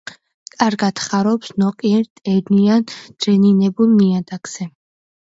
კარგად ხარობს ნოყიერ, ტენიან, დრენირებულ ნიადაგზე.